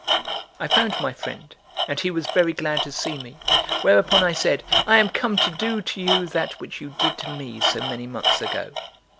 I found my friend, and he was very glad to see me; whereupon I said: "I am come to do to you that which you did to me so many months ago."